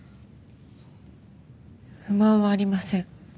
不満はありません。